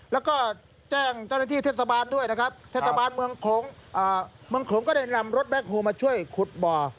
แล้วก็แจ้งเจ้าหน้าที่เทศบาลด้วยนะครับเทศบาลเมืองโขงก็ได้นำรถแบ็คโฮลมาช่วยขุดบ่อ